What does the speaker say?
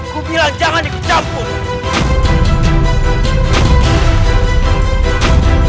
kubilang jangan dikucampur